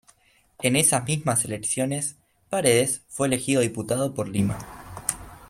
En esas mismas elecciones, Paredes fue elegido Diputado por Lima.